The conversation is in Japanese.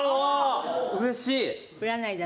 うれしい。